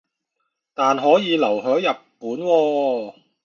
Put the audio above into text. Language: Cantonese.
但可以留係日本喎